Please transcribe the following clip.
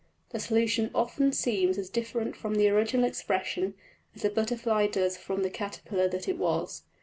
The solution often seems as different from the original expression as a butterfly does from the caterpillar that it was.